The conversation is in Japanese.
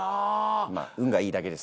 まあ運がいいだけです。